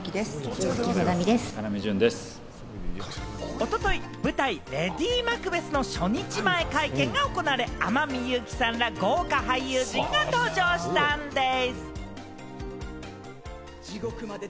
おととい、舞台『レイディマクベス』の初日前会見が行われ、天海祐希さんら豪華俳優陣が登場したんでぃす。